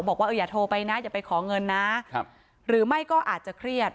บอกว่าอย่าโทรไปนะอย่าไปขอเงินนะหรือไม่ก็อาจจะเครียด